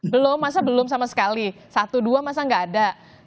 belum masa belum sama sekali satu dua masa nggak ada